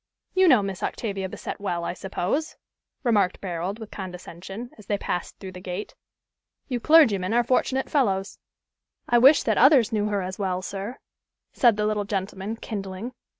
"You know Miss Octavia Bassett well, I suppose," remarked Barold, with condescension, as they passed through the gate. "You clergymen are fortunate fellows." "I wish that others knew her as well, sir," said the little gentleman, kindling.